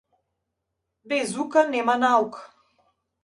Без ука нема наука.